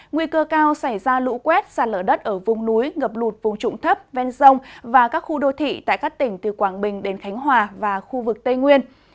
nguy cơ cao xảy ra lũ quét xa lở đất ở vùng núi ngập lụt vùng trụng thấp ven sông và các khu đô thị tại các tỉnh từ quảng bình đến khánh hòa và khu vực tây nguyên